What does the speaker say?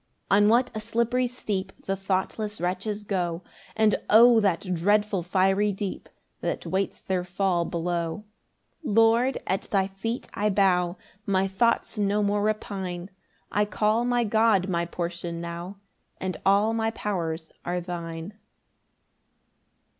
9 On what a slippery steep The thoughtless wretches go; And O that dreadful fiery deep That waits their fall below. 10 Lord, at thy feet I bow, My thoughts no more repine; I call my God my portion now, And all my powers are thine.